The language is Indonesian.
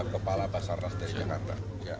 kepala basarnas dari jakarta